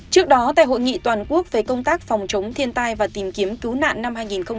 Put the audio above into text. trước đó tại hội nghị toàn quốc về công tác phòng chống thiên tai và tìm kiếm cứu nạn năm hai nghìn hai mươi